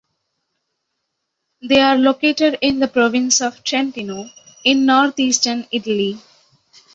They are located in the Province of Trentino, in northeastern Italy.